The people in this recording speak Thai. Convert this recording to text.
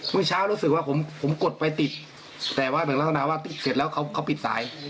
เมื่อเช้ารู้สึกว่าผมผมกดไปติดแต่ว่าเหมือนลักษณะว่าติดเสร็จแล้วเขาปิดสาย